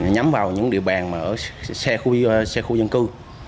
nhắm vào những địa bàn xe khu dân cư